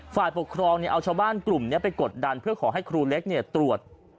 ฝ่ายปกครองเอาชาวบ้านกลุ่มนี้ไปกดดันเพื่อขอให้ครูเล็กตรวจ